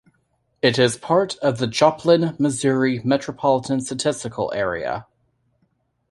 It is part of the Joplin, Missouri Metropolitan Statistical Area.